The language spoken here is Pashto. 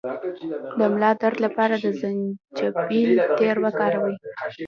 د ملا درد لپاره د زنجبیل تېل وکاروئ